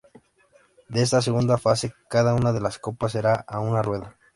En esta segunda fase, cada una de las copas será a una rueda.